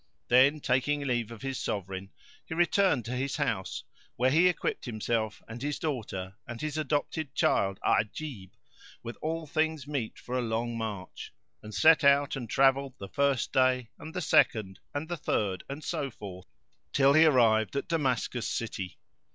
Then, taking leave of his Sovereign, he returned to his house, where he equipped himself and his daughter and his adopted child Ajib, with all things meet for a long march; and set out and travelled the first day and the second and the third and so forth till he arrived at Damascus city.